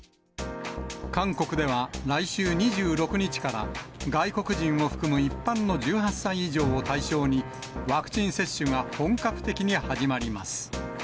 韓国では、来週２６日から、外国人を含む一般の１８歳以上を対象に、ワクチン接種が本格的に始まります。